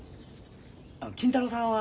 金太郎さんは。